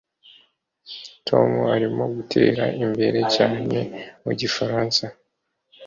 Tom arimo gutera imbere cyane mu gifaransa